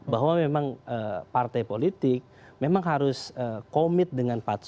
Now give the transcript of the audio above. bahwa memang partai politik memang harus komitmen